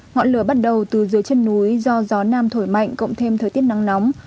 ngọn lửa bắt đầu từ dưới chân núi do gió nam thổi mạnh cộng thêm thời tiết nắng nóng